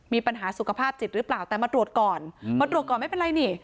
มีปัญหาสุขภาพจิตหรือเปล่าแต่มาตรวจก่อนมาตรวจก่อนไม่เป็นไรนี่